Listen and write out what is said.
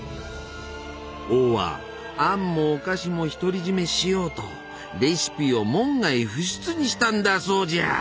王はアンもお菓子も独り占めしようとレシピを門外不出にしたんだそうじゃ！